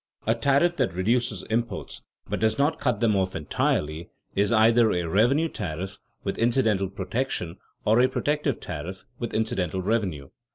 A tariff that reduces imports but does not cut them off entirely is either a revenue tariff with incidental protection or a protective tariff with incidental revenue.